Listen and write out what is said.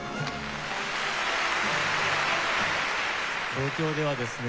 東京ではですね